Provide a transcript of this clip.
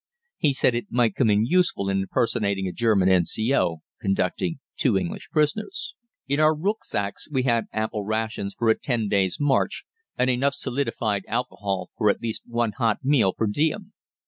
He said it might come in useful in impersonating a German N.C.O. conducting two English prisoners. In our rücksacks we had ample rations for a ten days' march and enough solidified alcohol for at least one hot meal per diem.